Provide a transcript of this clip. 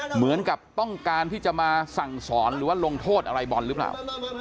เหมือนกับต้องการที่จะมาสั่งสอนหรือว่าลงโทษอะไรบอลหรือเปล่า